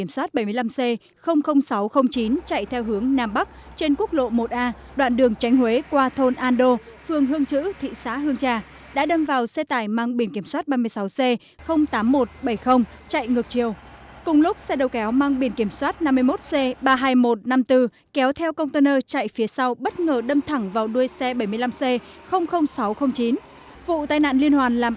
sáng ngày ba mươi một tháng một mươi trên quốc lộ một a đoạn đường tránh qua thôn andô phường hương chữ thị xã hương trà thừa thiên huế xảy ra vụ tai nạn nghiêm trọng làm một người chết và bốn người khác bị thương